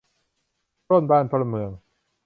ปล้นบ้านปล้นเมือง